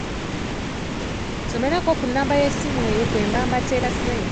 Nsomerako ku nnamba y'essimu yo kwe baba bateeka ssente.